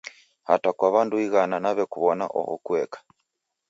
Hata kwa w'andu ighana naw'ekuw'ona oho kueka.